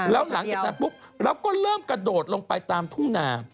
แล้วหลังจากนั้นปุ๊บเราก็เริ่มกระโดดลงไปตามทุ่งนา